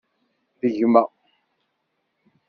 D gma.